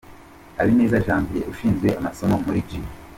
Habineza Janvier ushinzwe amasomo muri G.